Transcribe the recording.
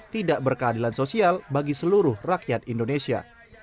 tidak berkeadilan sosial bagi seluruh rakyat indonesia